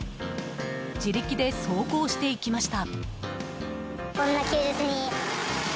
自力で走行していきました。